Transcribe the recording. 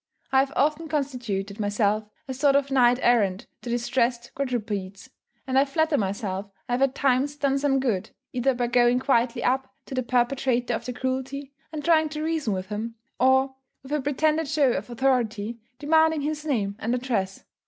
I have often constituted myself a sort of knight errant to distressed quadrupeds; and I flatter myself I have at times done some good, either by going quietly up to the perpetrator of the cruelty and trying to reason with him, or, with a pretended show of authority, demanding his name and address.